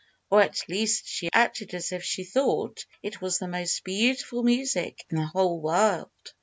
Or at least she acted as if she thought it the most beautiful music in the whole world.